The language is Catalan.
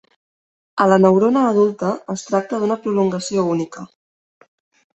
A la neurona adulta es tracta d'una prolongació única.